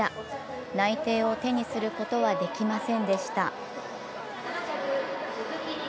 内定を手にすることはできませんでした。